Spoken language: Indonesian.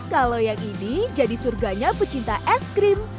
kalau yang ini jadi surganya pecinta es krim